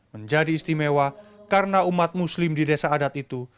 menjadi istimewa karena umat muslim di desa adat itu